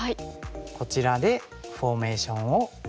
こちらでフォーメーションを完成させると。